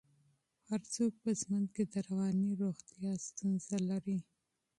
هر څوک په ژوند کې د رواني روغتیا ستونزه لري.